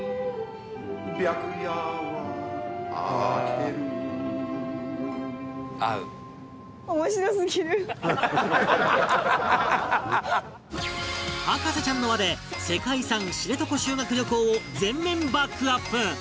「白夜は明ける」博士ちゃんの輪で世界遺産知床修学旅行を全面バックアップ